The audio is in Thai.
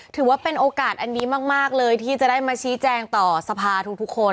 ถือว่าเป็นโอกาสอันนี้มากเลยที่จะได้มาชี้แจงต่อสภาทุกคน